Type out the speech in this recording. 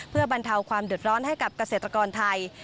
เพื่อบรรเทาความเดือดร้อนให้กับเกษตรกรไทย